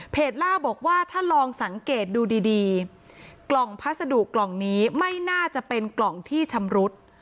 ล่าบอกว่าถ้าลองสังเกตดูดีกล่องพัสดุกล่องนี้ไม่น่าจะเป็นกล่องที่ชำรุด